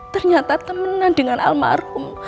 ternyata temenan dengan almarhum